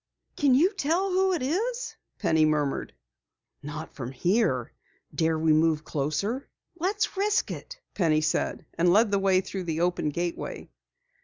"Can you tell who it is?" Penny murmured. "Not from here. Dare we move closer?" "Let's risk it," Penny said, and led the way through the open gateway.